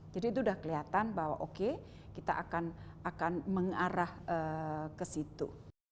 jadi itu sudah kelihatan bahwa oke kita akan mengarah ke situ